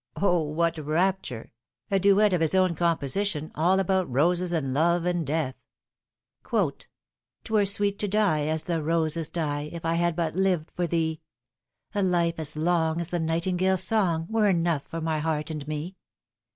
O, what rapture ! A duet of his own com position, all about roses and love and death. "'Twere sweet to die as the roses die, If I had but lived for thee ; A life as long as the nightingale's song Were enough for my heart and me."